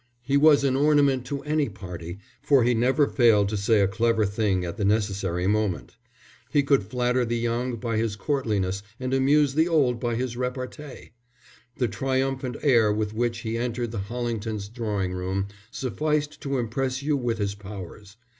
He was an ornament to any party, for he never failed to say a clever thing at the necessary moment. He could flatter the young by his courtliness and amuse the old by his repartee. The triumphant air with which he entered the Hollingtons' drawing room sufficed to impress you with his powers.